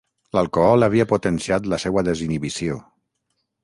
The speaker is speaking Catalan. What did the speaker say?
L'alcohol havia potenciat la seua desinhibició.